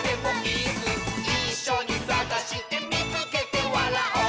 「いっしょにさがしてみつけてわらおう！」